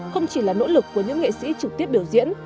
không chỉ là nỗ lực của những nghệ sĩ trực tiếp biểu diễn